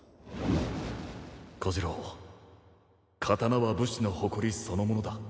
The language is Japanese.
小次郎刀は武士の誇りそのものだ。